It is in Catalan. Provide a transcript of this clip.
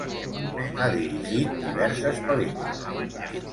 Ha dirigit diverses pel·lícules.